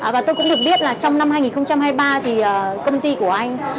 và tôi cũng được biết là trong năm hai nghìn hai mươi ba thì công ty của anh